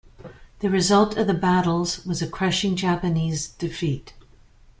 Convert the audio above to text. The result of the battles was a crushing Japanese defeat.